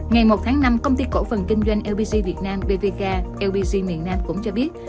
ngày một tháng năm công ty cổ phần kinh doanh lbg việt nam bvk lbg miền nam cũng cho biết